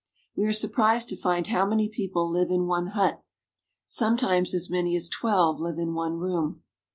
We are surprised to find how many people live in one hut ; sometimes as many as twelve live in one room.